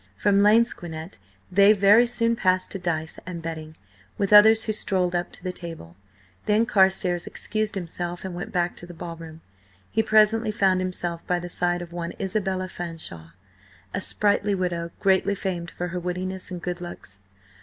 From lansquenet they very soon passed to dice and betting, with others who strolled up to the table. Then Carstares excused himself and went back to the ball room. He presently found himself by the side of one Isabella Fanshawe, a sprightly widow, greatly famed for her wittiness and good looks.